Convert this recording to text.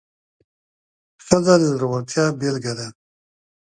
ښځه د زړورتیا بیلګه ده.